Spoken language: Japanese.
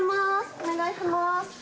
お願いします。